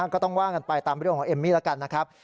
ก็ต้องว่ากันไปตามเรื่องของเอมมี่แล้วกันนะครับ